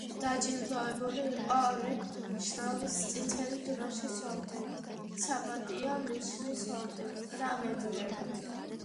დაჯილდოვებული იყო ორი შრომის წითელი დროშის ორდენით, „საპატიო ნიშნის“ ორდენით და მედლებით.